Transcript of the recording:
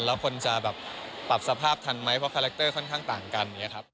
แล้วคนจะปรับสภาพทันมั้ยเพราะคาแรคเตอร์ค่อนข้างต่างกัน